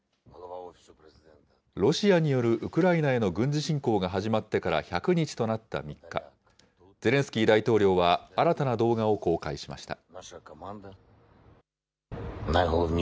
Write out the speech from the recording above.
ロシアによるウクライナへの軍事侵攻が始まってから１００日となった３日、ゼレンスキー大統領は新たな動画を公開しました。